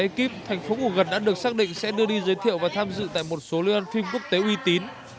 tất cả ekip thành phố ngủ gần đã được xác định sẽ đưa đi giới thiệu và tham dự tại một số lươn phim quốc tế uy tín